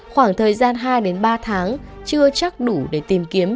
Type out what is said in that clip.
khoảng thời gian hai ba tháng chưa chắc đủ để tìm kiếm